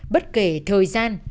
bất kể thời gian